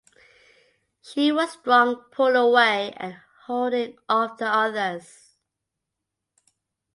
She was strong pulling away and holding off the others.